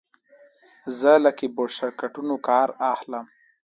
زه له کیبورډ شارټکټونو کار اخلم.